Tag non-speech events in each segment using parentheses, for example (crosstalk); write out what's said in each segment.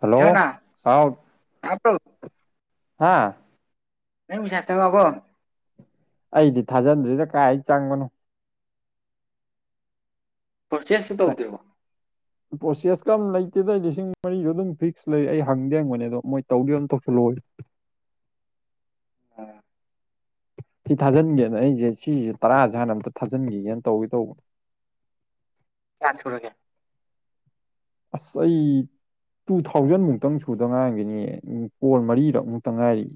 Hello ꯍꯥꯥ ꯅꯪ ꯄꯩꯁꯥ ꯆꯪ ꯉꯛ ꯑꯥꯕꯣ ꯑꯩꯗꯤ ꯊꯥꯖꯟꯗ꯭ꯔꯤꯗ ꯀꯥꯏ ꯆꯪꯕꯅꯣ ꯄ꯭ꯔꯣꯁꯦꯁꯁꯨ ꯇꯧꯗꯔ꯭ꯤꯕꯣ ꯄ꯭ꯔꯣꯁꯦꯁ ꯀꯔꯝ ꯂꯩꯇꯦꯗ ꯑꯩ ꯂꯤꯁꯤꯡ ꯃꯔꯤꯁꯨ ꯑꯗꯨꯝ ꯐꯤꯛꯁ ꯂꯩ ꯑꯩ ꯍꯪꯗꯦ ꯍꯪꯕꯅꯦ ꯑꯗꯣ ꯃꯣꯏ ꯇꯧꯗꯤ ꯇꯧꯁꯤꯜꯂꯣꯎ ꯑ ꯁꯤ ꯊꯥꯖꯤꯟꯒꯦꯅ ꯑꯩꯖꯦ ꯁꯤꯖꯦ ꯇꯔꯥꯖꯦ ꯍꯥꯟꯅ ꯑꯝꯇ ꯊꯥꯖꯤꯟꯒꯦꯌ ꯇꯧꯋꯤ ꯇꯧꯕ ꯀꯌꯥ ꯁꯨꯔꯒꯦ꯫ ꯑꯁ ꯑꯩ ꯇꯨ ꯊꯥꯎꯖꯟ ꯃꯨꯛꯇꯪ ꯁꯨꯗ ꯉꯥꯏꯔꯝꯈꯤꯅꯤꯌꯦ ꯀꯣꯜ ꯃꯔꯤꯔꯛ ꯃꯨꯛꯇ ꯉꯥꯏꯔꯤ꯫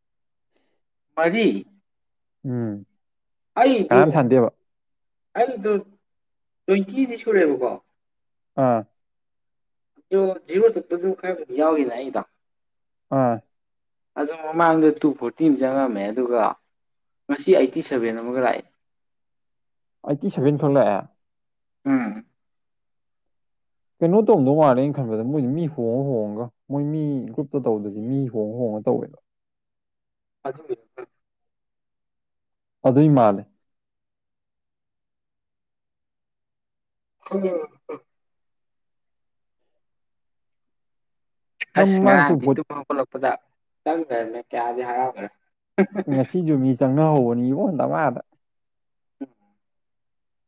(unintelligible) ꯃꯔꯤ꯫ ꯎꯝ꯫ ꯑꯩꯗꯨ ꯀꯅꯥꯝ ꯁꯥꯟꯗꯦꯕ ꯑꯩꯗꯨ ꯇ꯭ꯋꯦꯟꯇꯤꯗꯤ ꯁꯨꯔꯦꯕꯀꯣ꯫ ꯑꯥ꯫ (unintelligible) ꯖꯤꯔꯣ ꯆꯠꯄꯁꯨ ꯈꯔꯕꯨꯗꯤ ꯌꯥꯎꯔꯤꯅ ꯑꯩꯗꯣ꯫ ꯑꯥ꯫ ꯑꯗꯨ ꯃꯃꯥꯡꯗ ꯇꯨ ꯐꯣꯔꯇꯤ ꯑꯃ ꯆꯪꯉꯛꯑꯝꯃꯦ ꯑꯗꯨꯒ ꯉꯁꯤ ꯑꯩꯠꯇꯤ ꯁꯚꯦꯟ ꯑꯃꯒ ꯂꯥꯛꯑꯦ꯫ ꯑꯩꯠꯇꯤ ꯁꯚꯦꯟ ꯈꯛ ꯂꯥꯛꯑꯦ꯫ ꯎꯝ꯫ ꯀꯩꯅꯣ ꯇꯧꯝꯗꯧ ꯃꯥꯜꯂꯦ ꯑꯩꯅ ꯈꯟꯕꯗ ꯃꯣꯏꯗꯣ ꯃꯤ ꯍꯣꯡꯉ ꯍꯣꯡꯉꯒ ꯃꯣꯏ ꯃꯤ ꯒ꯭ꯔꯨꯞꯇ ꯇꯧꯕꯗꯗꯤ ꯃꯤ ꯍꯣꯡꯉ ꯍꯣꯡꯉ ꯇꯧꯋꯦ꯫ (unintelligible) ꯑꯗꯨꯏ ꯃꯥꯜꯂꯦ꯫ (unintelligible) ꯅꯪ ꯑꯁ ꯃꯃꯥꯡ ꯇꯨ ꯉꯔꯥꯡꯗꯤ ꯚꯣꯠ ꯇꯨꯝꯕ ꯈꯣꯠꯂꯛꯄꯗ ꯆꯪ ꯂꯩꯔꯝꯃꯦ ꯀꯌꯥꯗꯤ ꯍꯔꯥꯎꯈ꯭ꯔꯦ꯫ ꯉꯁꯤꯁꯨ ꯃꯤ ꯆꯪꯅꯍꯧꯕꯅꯤꯕꯣ ꯗꯥꯃꯥꯗ꯫ ꯎꯝ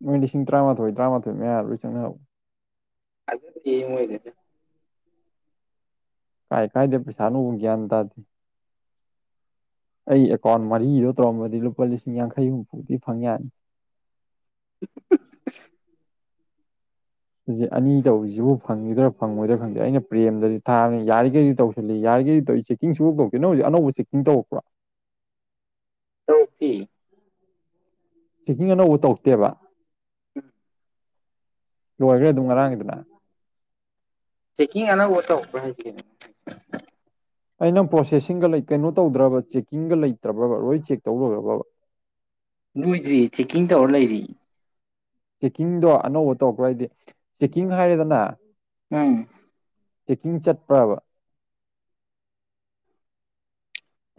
ꯃꯣꯏ ꯂꯤꯁꯤꯡ ꯇ꯭ꯔꯥꯃꯥꯊꯣꯏ ꯇ꯭ꯔꯥꯃꯥꯊꯣꯏ ꯃꯌꯥ ꯂꯣꯏ ꯆꯪꯅ ꯍꯧꯏ꯫ (unintelligible) ꯃꯣꯏꯗꯨꯗꯤ꯫ ꯀꯥꯏ ꯀꯥꯏꯗꯩ ꯄꯩꯁꯥꯅꯣꯕꯨ ꯒ꯭ꯌꯥꯟ ꯇꯥꯗꯦ꯫ ꯑꯩ ꯑꯦꯀꯥꯎꯟ ꯃꯔꯤꯗꯣ ꯇꯧꯔꯝꯃꯗꯤ ꯂꯨꯄꯥ ꯂꯤꯁꯤꯡ ꯌꯥꯡꯈꯩ ꯍꯨꯝꯐꯨꯗꯤ ꯐꯪ ꯌꯥꯅꯤ꯫ (unintelligible) ꯍꯧꯖꯤꯛ ꯑꯅꯤ ꯇꯧꯔꯤꯁꯤꯕꯨ ꯐꯪꯒꯤꯗ꯭ꯔꯥ ꯐꯪꯉꯣꯏꯗ꯭ꯔꯥ ꯈꯪꯗꯦ ꯑꯩꯅ ꯄ꯭ꯔꯦꯝꯗꯗꯤ ꯊꯥꯕꯅꯤ ꯌꯥꯔꯤꯈꯩꯗꯤ ꯇꯧꯁꯤꯜꯂꯤ ꯌꯥꯔꯤꯈꯩꯗꯤ ꯇꯧꯏꯁꯤ꯫ ꯆꯦꯀꯤꯡ ꯁꯨꯡꯇꯧ ꯇꯧꯔꯛꯇꯦ ꯅꯪ ꯍꯧꯖꯤꯛ ꯑꯅꯧꯕ ꯆꯦꯛꯀꯤꯡ ꯇꯧꯔꯛꯄ꯭ꯔꯥ꯫ ꯇꯧꯔꯛꯇꯤ꯫ ꯆꯦꯛꯀꯤꯡ ꯑꯅꯧꯕ ꯇꯧꯛꯇꯦꯕ꯫ ꯎꯝ꯫ ꯂꯣꯏꯈ꯭ꯔꯦ ꯑꯗꯨꯝ ꯉꯔꯥꯡꯒꯤꯗꯨꯅ꯫ ꯆꯦꯛꯀꯤꯡ ꯑꯅꯧꯕ ꯇꯧꯔꯛꯄ꯭ꯔꯥ ꯍꯥꯏꯁꯤ ꯀꯩꯅꯣ꯫ ꯑꯩꯅꯪ ꯄ꯭ꯔꯣꯁꯦꯁꯤꯡꯒ ꯀꯩꯅꯣ ꯇꯧꯗ꯭ꯔꯕ ꯆꯦꯛꯀꯤꯡꯒ ꯂꯩꯇ꯭ꯔꯕꯕ ꯂꯣꯏ ꯆꯦꯛ ꯇꯧꯒ꯭ꯔꯕꯕ꯫ ꯂꯣꯏꯗ꯭ꯔꯤ ꯆꯦꯛꯀꯤꯡ ꯇꯧꯔ ꯂꯩꯔꯤ꯫ ꯆꯦꯛꯀꯤꯡꯗꯣ ꯑꯅꯧꯕ ꯇꯧꯔꯛꯄ꯭ꯔꯥ ꯍꯥꯏꯗꯤ ꯆꯦꯛꯀꯤꯡ ꯍꯥꯏꯔꯦꯗꯅ ꯑꯪ꯫ ꯆꯦꯛꯀꯤꯡ ꯆꯠꯄ꯭ꯔꯕ꯫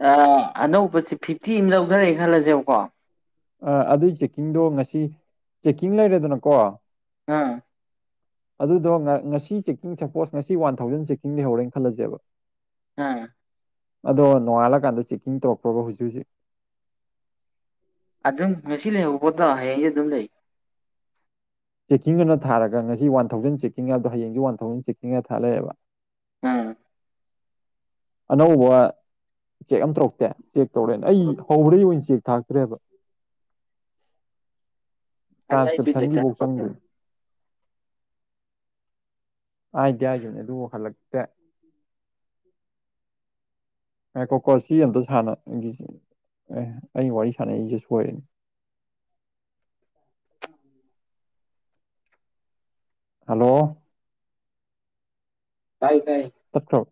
ꯑ ꯑꯅꯧꯕꯁꯤ ꯐꯤꯐꯇꯤ ꯑꯃ ꯂꯧꯊꯔꯦ ꯈꯜꯂꯁꯦꯕꯀꯣ꯫ ꯑ ꯑꯗꯨꯏ ꯆꯦꯛꯀꯤꯡꯗꯣ ꯉꯁꯤ ꯆꯦꯛꯀꯤꯡ ꯂꯩꯔꯦꯗꯅꯀꯣ꯫ ꯑꯥ꯫ (inaudible) ꯑꯗꯨꯗꯣ ꯉ-ꯉꯁꯤ ꯆꯦꯛꯀꯤꯡ ꯁꯄꯣꯁ ꯉꯁꯤ ꯋꯥꯟ ꯊꯥꯎꯖꯟ ꯆꯦꯛꯀꯤꯡ ꯂꯩꯍꯧꯔꯦꯅ ꯈꯜꯂꯁꯦꯕ ꯑꯥ꯫ ꯑꯗꯣ ꯅꯣꯡꯉꯥꯜꯂꯀꯥꯟꯗ ꯆꯦꯛꯀꯤꯡ ꯇꯧꯔꯛꯄ꯭ꯔꯕ ꯍꯧꯖꯤꯛ ꯍꯧꯖꯤꯛ꯫ ꯑꯗꯨꯝ ꯉꯁꯤ ꯂꯩꯍꯧꯕ ꯄꯣꯠꯇꯣ ꯍꯌꯦꯡꯁꯨ ꯑꯗꯨꯝ ꯂꯩ꯫ ꯆꯦꯛꯀꯤꯡ ꯑꯅ ꯊꯥꯔꯒ ꯉꯁꯤ ꯋꯥꯟ ꯊꯥꯎꯖꯟ ꯆꯦꯛꯀꯤꯡ ꯍꯥꯏꯕꯗꯣ ꯍꯌꯦꯡꯁ ꯋꯥꯟ ꯊꯥꯎꯖꯟ ꯆꯦꯛꯀꯤꯡ ꯍꯥꯏ ꯊꯥꯂꯩꯌꯦꯕ꯫ ꯑꯥ ꯑꯅꯧꯕ ꯆꯦꯛ ꯑꯃ ꯇꯧꯔꯛꯇꯦ ꯆꯦꯛ ꯇꯧꯔꯛꯑꯦ ꯑꯩ ꯍꯧꯕꯗꯩꯩ ꯍꯧꯅꯥ ꯆꯦꯛ ꯊꯥꯔꯛꯇ꯭ꯔꯦꯕ ꯇ꯭ꯔꯥꯟꯁꯀ꯭ꯔꯤꯞꯁꯟꯒꯤꯐꯧ ꯆꯪꯗꯦ ꯍꯥꯏꯗꯤ ꯍꯥꯏꯒꯤꯕꯅꯦ ꯑꯗꯨꯕꯨ ꯍꯜꯂꯛꯇꯦ ꯉꯥꯏꯈꯣꯀꯣ ꯁꯤ ꯑꯝꯇ ꯁꯥꯟꯅ ꯑꯩꯅꯥ ꯋꯥꯔꯤ ꯁꯥꯟꯅꯏꯁꯦ ꯁꯣꯏꯔꯦ ꯎꯝ (unintelligible) ꯍꯜꯂꯣ ꯇꯥꯏꯌꯦ ꯇꯥꯏ ꯇꯥꯠꯈ꯭ꯔꯥꯕꯣ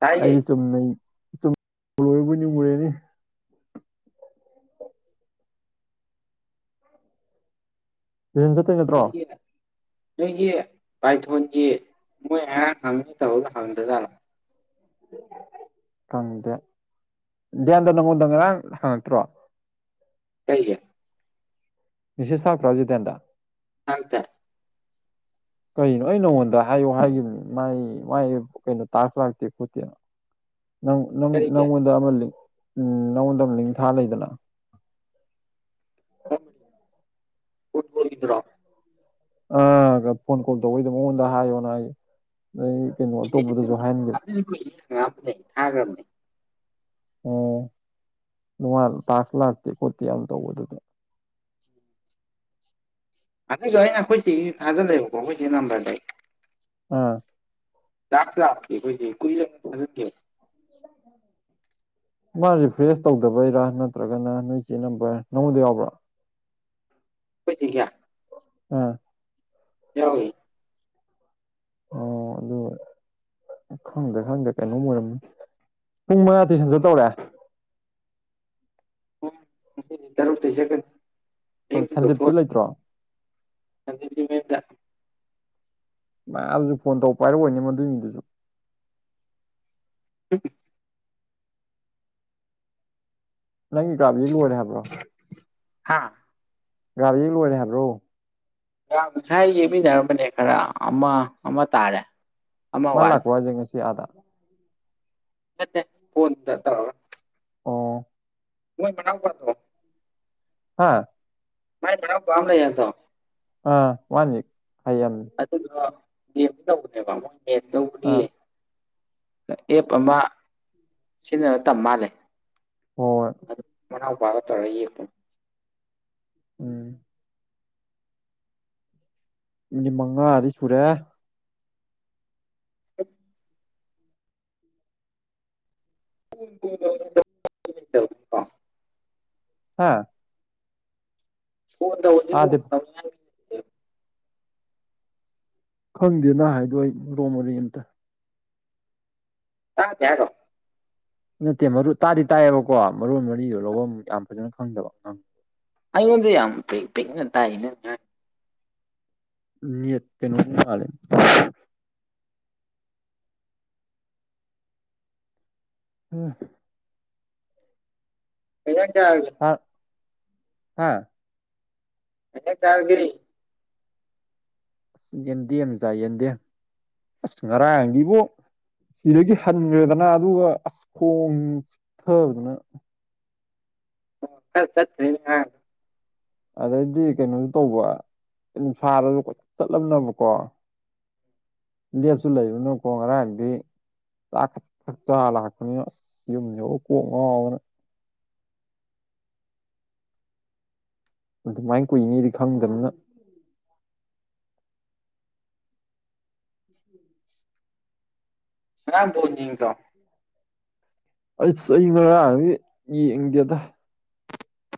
ꯇꯥꯏꯌꯦ ꯑꯩꯗꯤ ꯆꯨꯝꯅꯩ ꯆ (unintelligible) ꯆꯨꯝꯃꯥꯕꯣꯏ ꯅꯤꯡꯉꯨꯔꯦꯅꯦ (unintelligible) ꯃ (unintelligible) ꯅꯣꯏꯒꯤ ꯄꯥꯏꯊꯣꯟꯒꯤ ꯃꯣꯏ ꯉꯥꯡ ꯍꯪꯉꯤ ꯇꯧꯔꯒ ꯍꯪꯗꯖꯥꯠꯂꯣ ꯈꯪꯗꯦ ꯗꯥꯌꯥꯟꯗꯣ ꯅꯪꯉꯣꯟꯗ ꯉꯔꯥꯡ ꯍꯪꯉꯛꯇ꯭ꯔꯣ ꯀꯩꯒꯤ ꯃꯦꯁꯦꯁ ꯊꯥꯔꯛꯇꯔꯣ ꯍꯥꯏꯁꯦ ꯗꯥꯌꯥꯟꯗꯥ ꯊꯔꯛ ꯇꯦ ꯀꯩꯅꯣ ꯑꯩ ꯅꯉꯣꯟꯗ ꯍꯥꯏꯌꯨ ꯍꯥꯏꯈꯤꯕꯅꯤ ꯃꯥꯏ ꯃꯥꯏ ꯀꯩꯅꯣ ꯇꯥꯛ꯭ꯁ ꯂꯥꯛꯇꯦ ꯈꯣꯠꯇꯦꯅ ꯪ ꯀꯔꯤꯒꯤ ꯅꯪꯉꯣꯟꯗ ꯑꯃ ꯎ ꯅꯪꯉꯣꯟꯗ ꯑꯃ ꯂꯤꯟ꯭ꯛ ꯊꯥ ꯂꯩꯗꯅ ꯐꯠꯕꯣꯜꯒꯤꯗꯨꯔꯥ ꯑ ꯐꯣꯟ ꯀꯣꯜ ꯇꯧꯕꯏꯗꯣ ꯃꯉꯣꯟꯗ ꯍꯥꯏꯌꯣꯅ ꯍꯥꯏ ꯑꯗ ꯀꯩꯅꯣ ꯑꯇꯣꯞꯄꯗꯁꯨ ꯍꯥꯏꯅꯒꯦ ꯑꯩꯉꯣꯟꯗꯥ ꯁꯨ ꯀꯨꯏꯔꯦ ꯍꯪ ꯉꯛꯑꯃꯕꯅꯦ ꯊꯥꯈ꯭ꯔꯕꯅꯦ ꯑꯣ ꯇꯥꯛꯁ ꯂꯥꯛꯇꯦ ꯈꯣꯠꯇꯦ ꯌꯥꯝ ꯇꯧꯕ ꯑꯗꯨꯗ ꯑꯗꯨꯗ ꯑꯩꯅ ꯑꯩꯈꯣꯏ ꯆꯦꯒꯤꯁꯨ ꯊꯥꯖꯜꯂꯦꯕꯀꯣ ꯑꯩꯈꯣꯏ ꯆꯦ ꯅꯝꯕꯔꯗꯩ ꯑꯥ ꯇꯥꯁ꯭ꯀ ꯂꯥꯛꯇꯦ ꯑꯩꯈꯣꯏ ꯆꯦ ꯀꯨꯏꯔꯦ ꯊꯥꯖꯟꯒꯤꯕꯥ ꯃꯥ ꯔꯤꯐ꯭ꯔꯦꯁ ꯇꯧꯗꯕꯩꯔꯥ ꯅꯠꯇ꯭ꯔꯒꯅ ꯅꯣꯏ ꯆꯦ ꯅꯝꯕꯔ ꯅꯪꯉꯣꯟꯗ ꯌꯥꯎꯕ꯭ꯔꯥ ꯈꯣꯏ ꯆꯦꯒꯤ ꯑ ꯌꯥꯎꯏ ꯑꯣ ꯑꯗꯨ ꯈꯪꯗꯦ ꯈꯪꯗꯦ ꯀꯩꯅꯣꯝ ꯑꯣꯏꯔꯝꯃꯤ ꯄꯨꯡ ꯃꯉꯥ ꯇꯨꯏꯁꯟ ꯆꯠꯇꯧꯔꯦ (unintelligible) ꯇꯔꯨꯛꯇꯩ ꯆꯠꯀꯅꯤ ꯑꯌꯨꯛ ꯁꯟꯗꯦꯞꯇꯤ ꯂꯩꯇ꯭ꯔꯣ ꯁꯝꯗꯤꯞ ꯇꯤ ꯃꯌꯨꯝ ꯗ ꯃꯥꯌꯥꯝꯕ ꯗꯨꯁꯨ ꯐꯣꯟ ꯇꯧꯔ ꯄꯥꯏꯔꯛꯑꯣꯅꯦ ꯃꯗꯨꯏ ꯃꯤꯗꯨꯁꯨ (unintelligible) ꯅꯪꯒꯤ ꯒꯥꯔꯤ ꯂꯣꯏꯔꯦ ꯍꯥꯏꯕ꯭ꯔꯣ ꯍꯥꯥ ꯒꯥꯔꯤ ꯂꯣꯏꯔꯦ ꯍꯥꯏꯕ꯭ꯔꯣ (unintelligible) ꯉꯁꯥꯏ ꯌꯦꯛꯃꯤꯟꯅꯔꯝꯕꯅꯦ ꯈꯔ ꯑꯃ ꯑꯃ ꯇꯥꯔꯦ ꯑꯃ ꯃꯥ ꯋꯥꯠꯂꯤ ꯂꯥꯛꯄꯔꯥ ꯍꯥꯏꯁꯦ ꯉꯁꯤ ꯑꯥꯗꯥ ꯅꯠꯇꯦ ꯐꯣꯅꯗ ꯇꯧꯔꯒꯥ ꯑꯣ ꯃꯣꯏ ꯃꯅꯥꯎꯄꯗꯣ ꯍꯥ ꯃꯥꯏ ꯃꯅꯥꯎꯄ ꯑꯃ ꯂꯩ ꯍꯥꯢꯕꯗꯣ ꯑꯥ ꯋꯥꯠꯂꯤ ꯍꯌꯦꯡ ꯑꯗꯨꯗꯣ ꯇꯧꯕꯅꯦꯕ ꯃꯣꯏ ꯃꯦꯟ ꯇꯧꯕꯒꯤ ꯑꯥ (unintelligible) ꯑꯦꯞ ꯑꯃ ꯁꯤꯖꯤꯟꯅꯕ ꯇꯝ ꯃꯥꯜꯂꯦ ꯍꯣꯏ ꯑꯗꯨ ꯃꯅꯥꯎꯄꯥ ꯇꯧꯔꯒꯥ ꯌꯦꯛꯕꯅꯦ ꯎꯝ ꯃꯤꯅꯤꯠ ꯃꯉꯥꯗꯤ ꯁꯨꯔꯦ (inaudible) ꯀ (inaudible) ꯍꯥꯥ ꯐꯣꯟ ꯇꯧꯕꯁꯤ ꯇꯥꯗꯦ (unintelligible) ꯈꯪꯗꯦ ꯅꯪꯅ ꯍꯥꯏꯗꯣ ꯑꯩ ꯃꯔꯣꯡ ꯃꯔꯤ ꯑꯃꯝꯇ ꯇꯥꯗꯦ ꯍꯥꯢꯔꯣ ꯅꯠꯇꯦ ꯃꯔꯨ ꯇꯥꯗꯤ ꯇꯥꯏꯌꯦꯕꯀꯣ ꯃꯔꯣꯟ ꯃꯔꯤꯗꯣ ꯂꯧꯕꯨꯛ ꯌꯥꯝ ꯐꯖꯅ ꯈꯪꯗꯕꯪ ꯑꯩꯉꯣꯟꯗꯗꯤ ꯌꯥꯝ ꯄꯤꯛꯅꯥ ꯇꯥꯏꯌꯦ ꯅꯦꯠ ꯀꯩꯅꯣꯒꯤ ꯃꯥꯥꯂꯦ ꯎꯝ ꯀꯩꯩ ꯌꯦꯟꯖꯥꯡ ꯆꯔꯒꯦ ꯍꯥ ꯍꯥꯥ ꯀꯩ ꯌꯦꯟꯖꯥꯡ ꯆꯥꯔꯒꯦ ꯌꯦꯟꯗꯦꯝ ꯆꯥꯢꯌꯦ ꯌꯦꯟꯗꯦꯝ ꯑꯁ ꯉꯔꯥꯡꯗꯤꯕꯣ ꯁꯤꯗꯒꯤ ꯍꯟꯈ꯭ꯔꯦꯗꯅ ꯑꯗꯨꯒ ꯑꯁ ꯈꯣꯡ ꯆꯤꯛꯊꯗꯅ ꯑ ꯈ ꯆꯠ (unintelligible) ꯑꯗꯩꯗꯤ ꯀꯩꯅꯣꯁꯨ ꯇꯧꯕ ꯅꯨꯡꯁꯥꯗꯁꯨ ꯀꯣꯢꯆꯠ ꯆꯠꯂꯝꯅꯤꯅꯥꯀꯣ ꯗꯦꯠꯁꯨ ꯂꯩꯕ ꯅꯤꯅꯥ ꯀꯣ ꯉꯔꯥꯡꯗꯤ ꯆꯥꯛꯒ ꯒꯔ ꯆꯥꯔꯒ ꯂꯥꯛꯄꯅꯤꯅ ꯑꯁ ꯌꯨꯝꯗ ꯀꯣꯡ ꯉꯥꯎꯗꯅ ꯑꯗꯨꯃꯥꯏꯅ ꯀꯨꯏꯅꯤꯗꯤ ꯈꯪꯗꯕꯅꯤꯅ ꯉꯔꯥꯡ ꯕꯣꯜ ꯌꯦꯡꯗꯔꯣ ꯑꯩꯁ ꯑꯩ ꯉꯔꯥꯡꯗꯤ ꯌꯦꯡꯗꯦꯗ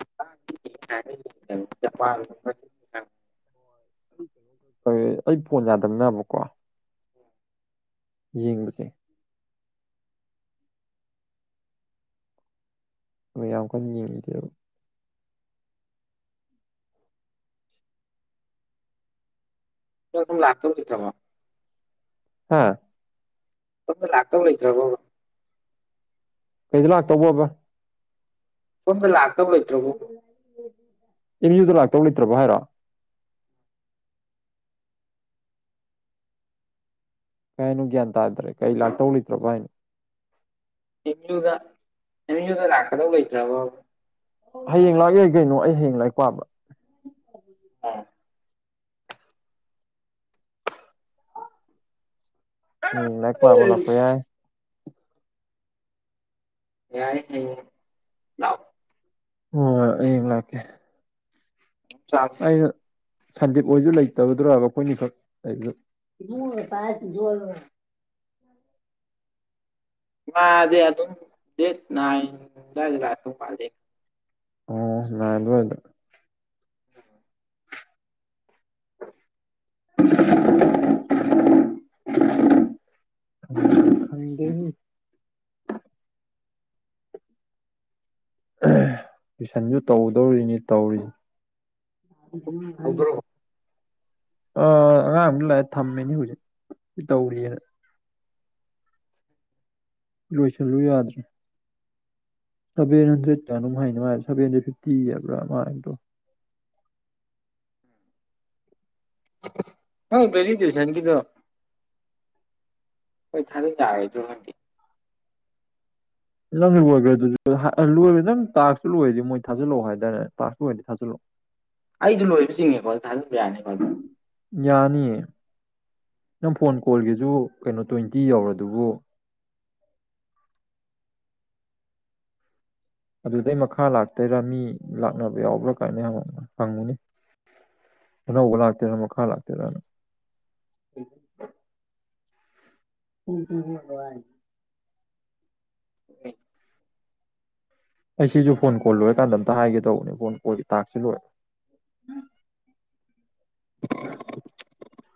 (unintelligible) ꯑꯩ ꯐꯣꯟ ꯌꯥꯗꯕꯅꯤꯅꯀꯣ ꯌꯦꯡꯕꯁꯦ ꯍꯣꯢ ꯌꯥꯝ ꯀꯟꯅ ꯌꯦꯡꯗꯦꯕ ꯁꯣꯝꯗꯥ ꯂꯛꯇꯧ ꯂꯩꯇ꯭ꯔꯕꯣ ꯍꯥꯥ ꯁꯣꯝꯗꯥ ꯂꯥꯛꯇꯧ ꯂꯩꯇ꯭ꯔꯕꯣꯕ ꯀꯩꯗ ꯂꯥꯛꯇꯧꯕꯕꯥ ꯁꫭꯝꯗ ꯂꯥꯛꯇꯧ ꯂꯩꯇ꯭ꯔꯕꫭꯕꯥ ꯑꯦꯝ ꯌꯨꯗ ꯂꯥꯛꯇꯧ ꯂꯩꯇ꯭ꯔꯕ ꯍꯥꯏꯔꯣ ꯀꯥꯏ ꯍꯥꯏꯅꯣ ꯒ꯭ꯌꯥꯟ ꯇꯥꯗ꯭ꯔꯦ ꯀꯩ ꯂꯥꯛꯇꯧ ꯂꯩꯗ꯭ꯔꯕ ꯍꯥꯏꯅꯣ ꯑ‌ꯦꯝ ꯌꯨꯗ ꯑ‌ꯦꯝ ꯌꯨꯗ ꯂꯥꯛꯀꯗꯧ ꯂꯩꯇ꯭ꯔꯕ ꯍꯌꯦꯡ ꯂꯥꯛ ꯌꯥꯏ ꯀꯩꯅꯣ ꯑꯩ ꯍꯌꯦꯡ ꯂꯥꯏꯔꯤꯛ ꯄꯥꯕ ꯑꯝ ꯎꯝ ꯂꯥꯏꯔꯤꯛ ꯄꯥꯕ ꯂꯥꯛꯄ ꯑꯩꯁ ꯌꯥꯏ ꯌꯥꯏ ꯍꯌ‌ꯦꯡ ꯂꯥꯎ ꯑꯣ ꯍꯌ‌ꯦꯡ ꯂꯛꯀ‌ꯦ ꯆꯥꯛ ꯑꯩꯅ ꯁꯟꯗꯤꯞ ꯑꯣꯏꯁꯨ ꯂꯩꯇꯕꯗ꯭ꯔꯕ ꯃꯈꯣꯏꯅꯤꯈꯛ ꯂꯩꯕꯗ (unintelligible) ꯃꯥꯗꯤ ꯑꯗꯨꯝ ꯗꯦꯠ ꯅꯥꯏꯟ ꯑꯗꯥꯏꯗ ꯂꯥꯛꯇꯧ ꯃꯥꯜꯂ‌ꯦ ꯑꯣ ꯅꯥꯏꯟꯗ ꯑꯣꯏꯗ ꯎꯝ (unintelligible) (unintelligible) ꯈꯪꯗꯦꯍꯦ ꯑ ꯇꯨꯏꯁꯟꯁꯨ ꯇꯧꯗꯧꯔꯤꯅꯤ ꯇꯧꯔꯤꯖꯦ ꯍꯧꯗꯣꯔꯛꯑꯣ ꯑ ꯑꯉꯥꯡ ꯑꯃꯖꯨ ꯂꯥꯛꯑꯦ ꯊꯝꯃꯤꯅꯤ ꯍꯧꯖꯤꯛ ꯇꯧꯔꯤꯌꯦꯅ ꯂꯣꯏꯁꯜꯂꯨ ꯌꯥꯗ꯭ꯔꯦ ꯁꯚꯦꯟ ꯍꯟꯗ꯭ꯔꯦꯠ ꯀꯥꯌꯅꫭꯃ ꯍꯥꯏꯅꯦ ꯃꯥ ꯁꯚꯦꯟ ꯍꯟꯗ꯭ꯔꯦꯠ ꯐꯤꯐꯇꯤ ꯍꯥꯏꯕ꯭ꯔ ꯃꯥ ꯍꯥꯏꯕꯗꯣ ꯅꯪ ꯕꯦꯂꯤꯗꯦꯁꯟꯒꯤꯗꫭ ꯈꫭꯏ ꯊꯖꯜ ꯌꯔꯔꫭꯗꯔꯣ ꯈꯪꯗ‌ꯦ ꯅꯪ ꯂꯣꯏꯈ꯭ꯔ ꯑꯗꯨ ꯂꯣꯏꯔꯦ ꯅꯪ ꯇꯥꯛꯁꯇꯨ ꯂꯣꯏꯔꯗꯤ ꯃꯣꯏ ꯊꯥꯖꯤꯜꯂꯛꯑꯣ ꯍꯥꯏꯗꯥꯏꯅꯦ ꯇꯥꯛꯁ ꯂꯣꯏꯔꯗꯤ ꯊꯥꯖꯜꯂꯛꯑꯣ (inaudible) ꯑꯩꯗꫭ ꯂꯣꯏꯕ ꯆꯤꯡꯉꯦꯀꯣ ꯑꯗꯨ ꯊꯥꯖꯟꯕ ꯌꯥꯅꯤꯀꯣ ꯌꯥꯅꯤꯌꯦ ꯅꯪ ꯐꯣꯟ ꯀꯣꯜꯒꯤꯖꯨ ꯀꯩꯅꯣ ꯇꯣꯏꯟꯇꯤ ꯌꯧꯔ ꯑꯗꯨꯕꯨ ꯑꯗꯨꯗꯩ ꯃꯈꯥ ꯂꯥꯛꯇꯣꯏꯔꯥ ꯃꯤ ꯂꯥꯛꯅꯕ ꯌꯥꯎꯕ꯭ꯔꯥ ꯀꯥꯏꯅ ꯌꯥꯝ ꯍꯪꯕꯅꯤ ꯑꯅꯧꯕ ꯂꯥꯛꯇꯣꯏꯔ ꯃꯈꯥ ꯂꯥꯛꯇꯣꯏꯔꯅ ꯎꯝ (unintelligible) (unintelligible) ꯅꯨꯉꯥꯏ ꯑꯩ ꯁꯤꯁꯨ ꯐꯣꯟ ꯀꯣꯜ ꯂꯣꯏꯔꯀꯥꯟꯗ ꯑꯝꯇ ꯍꯥꯏꯒꯦ ꯇꯧꯕꯅꯦ ꯐꯣꯟ ꯀꯣꯜꯒꯤ ꯇꯥꯛꯁꯨ ꯂꯣꯏꯔ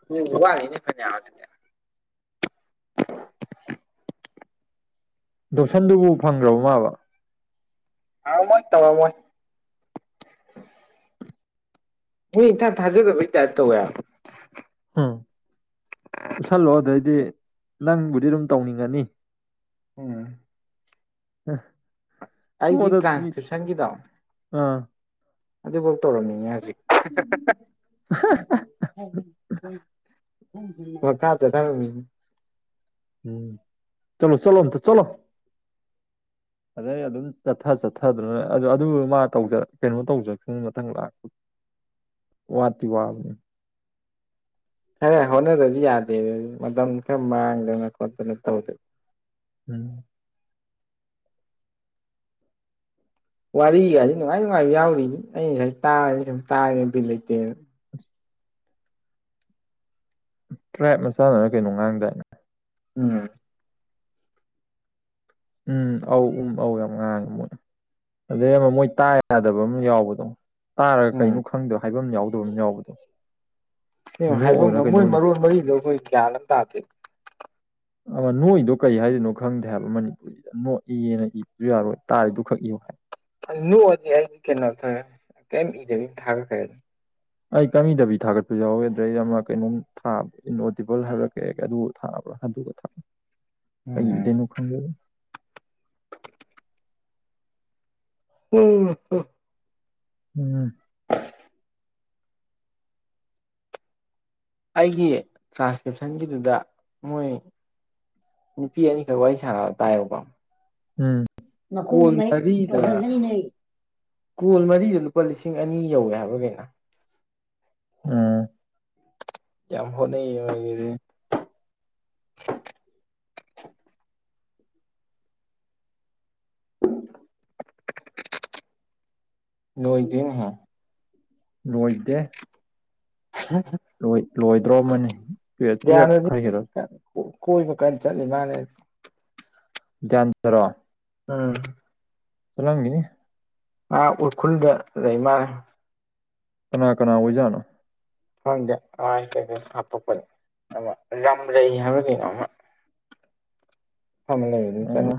ꯅꯪꯖꯨ ꯌꯥꯠꯂꯤꯅꯦ ꯐꯩꯅꯥꯝ ꯑꯗꯨꯗꯤ ꯗꯣꯞꯁꯟꯗꯨꯕꯨ ꯐꯪꯒ꯭ꯔꯕꯣ ꯃꯥꯕꯣ ꯑ ꯃꯣꯏ ꯇꯧꯔꯝꯃꫭꯏ ꯃꯤ ꯏꯊꯥ ꯊꯥꯖꯗꯕꯩ ꯇꯥꯞ ‌ꯇꯧꯋꯦ ꯍꯥꯏꯕ ꯎꯝ ꯎꯠꯁꯜꯂꯣ ꯑꯗꯩꯗꯤ ꯅꯪꯕꯨꯗꯤ ꯑꯗꯨꯝ ꯇꯧꯅꯤꯡꯉꯅꯤ ꯎꯝ ꯑ ꯑꯩꯗꯤ ꯄꯗꯣ ꯃꯤ ꯇ꯭ꯔꯥꯟꯁꯀ꯭ꯔꯤꯞꯁꯟꯒꯤꯗꯣ ꯑꯥ ꯑꯗꯨꯕꯧ ꯇꯧꯔꯝꯃꯤꯅꯦ ꯍꯧꯖꯤꯛ (unintelligible) ꯍꯣꯏ ꯐꯔ ꯆꯠꯊ꯭ꯔꯒꯕ ꯃꯤꯅꯤ ꯎꯝ ꯆꯂꯣ ꯆꯂꯣ ꯑꯝꯇ ꯆꯂꯣ ꯑꯗꯩ ꯑꯗꯨꯝ ꯆꯠꯊ ꯆꯠꯊꯗꯅ ꯑꯗꯨ ꯃꯥ ꯇꯧꯖ ꯀꯩꯅꯣ ꯇꯧꯖ ꯃꯊꯪ ꯂꯥꯛ ꯋꯥꯠꯇꯤ ꯋꯥꯕꯅꯦ ꯈꯔ ꯍꯣꯠꯅꯗꯗꯤ ꯌꯥꯗꯦꯅꯦ ꯃꯇꯝ ꯈꯔ ꯃꯥꯡꯗꯅ ꯈꯣꯠꯇꯅ ꯇꯧꯗ ꯎꯝ ꯋꯥꯔꯤꯒꯖ‌ꯦ ꯅꯨꯡꯉꯥꯏ ꯅꯨꯡꯉꯥꯏꯕ ꯌꯥꯎꯔꯤꯕ ꯑꯩ ꯉꯁꯥꯏ ꯇꯥꯕꯗ ꯁꯨꯝ ꯇꯥꯒꯦꯅ ꯕꯤꯠ ꯂꯩꯇꯦꯅ ꯇ꯭ꯔꯥꯏꯞ ꯃꯆꯥꯅ ꯀꯩꯅꯣ ꯉꯥꯡꯗꯥꯏ ꯎꯝ ꯎꯝ ꯑꯧ ꯎꯝ ꯑꯧ ꯌꯥꯝ ꯉꯥꯡꯉꯦ ꯃꯣꯏ ꯑꯗꯩ ꯑꯃ ꯃꯣꯏ ꯇꯥ ꯌꯥꯗꯕ ꯑꯃ ꯌꯥꯎꯕꯗꯣ ꯇꯥꯔꯒ ꯎꯝ ꯀꯩꯅꯣ ꯈꯪꯗꯕ ꯍꯥꯏꯕꯝ ꯌꯥꯎꯗꯕꯝ ꯌꯥꯎꯕꯗꯣ ꯑꯁꯦꯡꯕ ꯅꯣꯛꯑꯣꯏꯔ ꯍꯥꯏꯕꯝꯗꫭ ꯃꯣꯏ ꯀꯩꯅꯣ ꯂꯩ ꯃꯔꯣꯟ ꯃꯔꯤꯗꯣ ꯑꯩꯈꯣꯏ ꯒ꯭ꯌꯥꯟ ꯑꯃꯥ ꯇꯥꯗꯦ ꯑꯥ ꯅꯣꯛꯏꯗꯣ ꯀꯔꯤ ꯍꯥꯏꯗꯣꯏꯅꯣ ꯈꯪꯗꯦ ꯍꯥꯏꯕ ꯃꯅꯤ ꯅꯣꯛ ꯏꯌꯦꯅ ꯏꯕꯁꯨ ꯌꯥꯔꯣꯏ ꯇꯥꯔꯤꯗꯨ ꯈꯛ ꯏꯌꯨ ꯍꯥꯏ ꯅꯣꯛꯑꯗꯤ ꯑꯩꯗꯤ ꯀꯩꯅꯣ ꯇꯧꯔꯦ ꯀꯩꯝ ꯏꯗꯕꯤ ꯊꯥꯒꯠꯈ꯭ꯔꯦ ꯑꯗꯨꯝ ꯑꯩ ꯀꯩꯝ ꯏꯗꯕꯤ ꯊꯥꯒꯠꯄꯁꯨ ꯌꯥꯎꯋꯦ ꯑꯗꯨꯗꯩꯩ ꯑꯃ ꯀꯩꯅꯣꯝ ꯊꯕꯗꫭ ꯏꯟ ꯑꯣꯗꯤꯕꯜ ꯍꯥꯏꯕꯔꯥ ꯀꯩ ꯑꯗꯨ ꯊꯥꯕ꯭ꯔꯥ ꯑꯗꯨꯒ ꯀꯩ ꯏꯗꯣꯏꯅꯣ ꯈꯪꯗꯕ ꯎꯝ ꯎꯝ ꯑꯩꯒꯤ ꯇ꯭ꯔꯥꯟꯁꯀ꯭ꯔꯤꯞꯁꯟꯒꯤꯗꯨꯗ ꯃꯣꯏ ꯅꯨꯄꯤ ꯑꯅꯤꯈꯛ ꯋꯥꯔꯤ ꯁꯥꯕ ꯇꯥꯏꯌꯦꯕꯀꯣ ꯎꯝ ꯃꯈꯣꯡꯗꯨ ꯀꯣꯜ ꯃꯍꯤꯛ ꯃꯔꯤꯗ ꯆꫭꯡꯁꯟꯒꯅꯤꯅꯦ ꯀꯣꯜ ꯃꯔꯤꯗ ꯂꯨꯄꯥ ꯂꯤꯁꯤꯡ ꯑꯅꯤ ꯌꯧꯋꯦ ꯍꯥꯏꯕ꯭ꯔꯥ ꯀꯩꯅꯣ ꯎꯝ ꯌꯥꯝ ꯍꯣꯠꯅꯩ ꯅꫭꯏꯒꯤꯗꯤ (unintelligible) (unintelligible) ꯂꯣꯏꯗꯦꯅꯦꯍꯦ ꯂꯣꯏꯗꯦ ꯍꯝ (unintelligible) ꯂꫭꯏ ꯂꯣꯏꯗ꯭ꯔꯣꯃꯅꯤ ꯇꯨꯌ‌ꯦꯜꯞ ꯇꯨꯌꯦꯜꯞ ꯈꯔ ꯍꯦꯜꯂꯛ ꯀꯣꯏꯕꯨ ꯀꯟ ꯆꯠꯂꯤ ꯃꯥꯅ‌ꯦꯗꯥ ꯗꯌꯥꯟꯗꯔꯣ ꯎꯝ ꯆꯠꯂꯝꯒꯤꯅꯤ ꯑꯥ ꯎꯔꯈꯨꯜꯗ ꯂꯩ ꯃꯥꯜꯂꯦ ꯀꯅꯥ ꯀꯅꯥ ꯑꯣꯏꯖꯥꯠꯅꯣ ꯈꯪꯗꯦ ꯃꯥꯒꯤ ꯏꯁꯇꯦꯇꯁ ꯍꯥꯞꯄꯛꯄꯅꯦ ꯑꯃꯥ ꯔꯝꯂꯩ ꯍꯥꯏꯕꯔꯥ ꯀꯩꯅꯣ ꯑꯃꯥ (inaudible) ꯃꯐꯝ ꯑꯃꯥ ꯂꯩꯕꯗꯨꯗꯥ ꯆꯠꯂꯤ ꯑꯣ